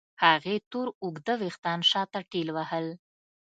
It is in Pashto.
هغې تور اوږده وېښتان شاته ټېلوهل.